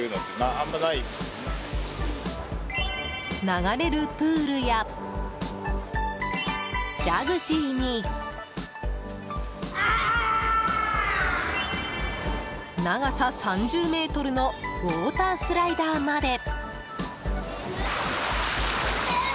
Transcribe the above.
流れるプールやジャグジーに長さ３０ｍのウォータースライダーまで。